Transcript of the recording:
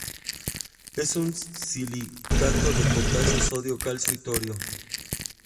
Es un silicato de potasio, sodio, calcio y torio.